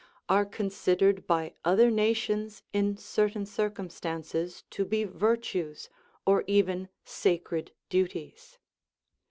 are con sidered by other nations in certain circumstances to be virtues, or even sacred duties.